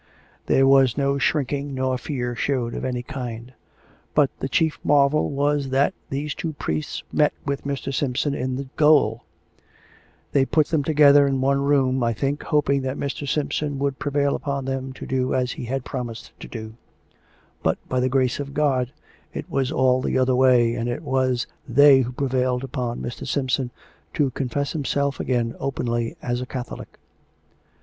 There was no shrinking nor fear showed of any kind. But the chief marvel was that these two priests met with Mr. Simpson in the gaol; they put them together in one room, I think, hoping that Mr. Simpson would prevail upon them to do as he had promised to do; but, by the grace of God, it was all the other way, and it was they who pre vailed upon Mr. Simpson to confess himself again openly as a Catholic.